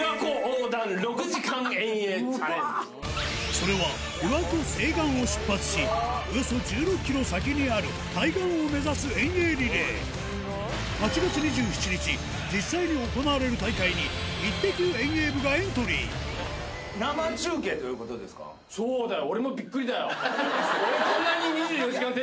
それは琵琶湖西岸を出発しおよそ１６ｋｍ先にある対岸を目指す遠泳リレー８月２７日実際に行われる大会にそうだよ！